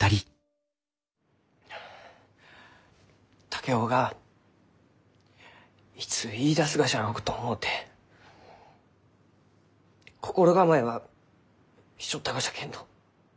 竹雄がいつ言いだすがじゃろうと思うて心構えはしちょったがじゃけんど。